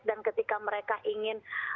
dan ketika mereka ingin